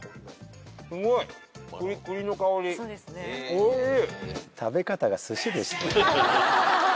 おいしい。